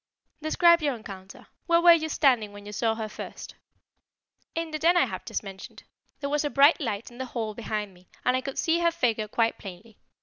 "Describe your encounter. Where were you standing when you saw her first?" "In the den I have just mentioned. There was a bright light in the hall behind me and I could see her figure quite plainly.